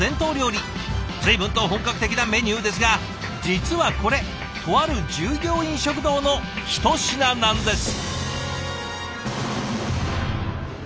随分と本格的なメニューですが実はこれとある従業員食堂のひと品なんです。